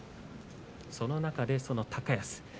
その中で高安